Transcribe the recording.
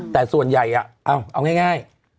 แต่ส่วนใหญ่เอาง่าย